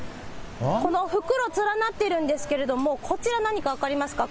この袋、連なっているんですけれども、こちら何か分かりますか？